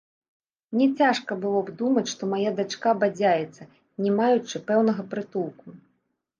Мне цяжка было б думаць, што мая дачка бадзяецца, не маючы пэўнага прытулку.